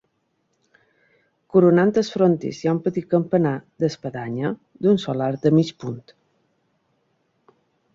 Coronant el frontis hi ha un petit campanar d'espadanya d'un sol arc de mig punt.